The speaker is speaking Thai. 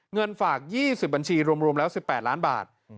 เงินฝาก๒๐บัญชีรวมแล้ว๑๘ล้านบาท